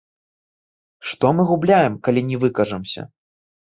Што мы губляем, калі не выкажамся?